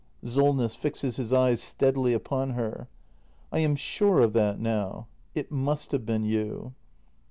Solness. [Fixes his eyes steadily upon her.] I am sure of that now. It must have been you.